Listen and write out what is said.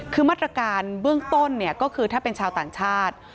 คือมาตรการเบื้องต้นเนี่ยก็คือถ้าเป็นชาวต่างชาติ